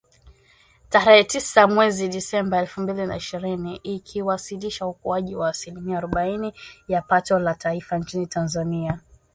Tarehe tisa mwezi Disemba elfu mbili na ishirini, ikiwasilisha ukuaji wa asilimia arobaini ya pato la taifa nchini Tanzania